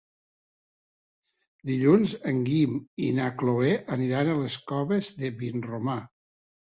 Dilluns en Guim i na Cloè aniran a les Coves de Vinromà.